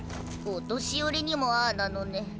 お年寄りにもああなのね。